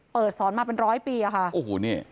เปิดศรมาเป็นร้อยปีค่ะโอ้โหเนี่ย